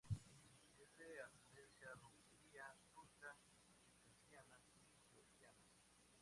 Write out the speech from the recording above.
Es de ascendencia rumelia turca, circasiana y georgiana.